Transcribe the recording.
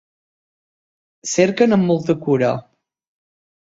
Cerquen amb molta cura.